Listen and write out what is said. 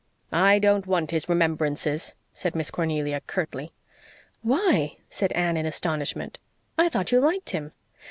"I don't want his remembrances," said Miss Cornelia, curtly. "Why?" said Anne, in astonishment. "I thought you liked him."